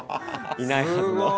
いないはずの。